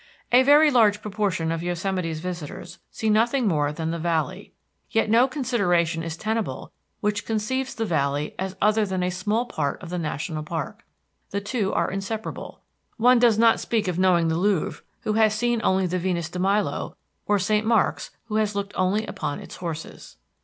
A very large proportion of Yosemite's visitors see nothing more than the Valley, yet no consideration is tenable which conceives the Valley as other than a small part of the national park. The two are inseparable. One does not speak of knowing the Louvre who has seen only the Venus de Milo, or St. Mark's who has looked only upon its horses.